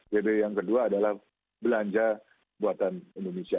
bbi yang kedua adalah belanja jabatan indonesia